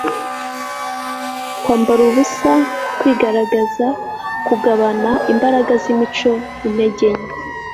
kwambara ubusa, kwigaragaza, kugabana, imbaraga-z-imico, intege nke